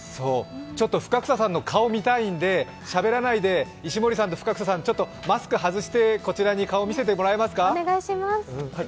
ちょっと深草さんの顔、見たいんでしゃべらないで、石森さんと深草さん、マスク外してこちらに顔を見せてもらえますか？